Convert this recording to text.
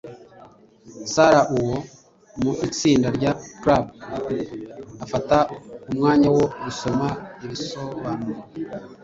Sarah wo mu itsinda rya Clue afata umwanya wo gusoma ibisobanuro.